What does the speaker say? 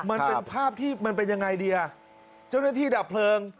มันเป็นภาพที่มันเป็นยังไงดีอ่ะเจ้าหน้าที่ดับเพลิง